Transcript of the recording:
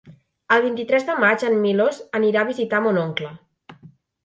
El vint-i-tres de maig en Milos anirà a visitar mon oncle.